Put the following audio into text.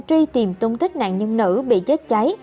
truy tìm tung tích nạn nhân nữ bị chết cháy